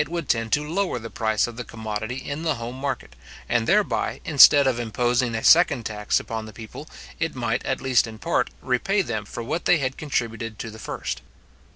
Instead of raising, it would tend to lower the price of the commodity in the home market; and thereby, instead of imposing a second tax upon the people, it might, at least in part, repay them for what they had contributed to the first.